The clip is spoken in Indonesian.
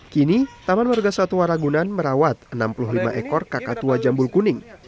kini taman warga satwa ragunan merawat enam puluh lima ekor kakak tua jambul kuning